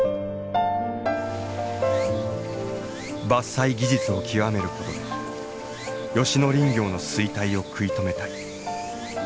伐採技術を極めることで吉野林業の衰退を食い止めたい。